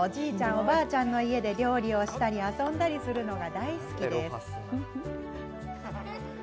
おばあちゃんの家で料理をしたり遊んだりするのが大好きです。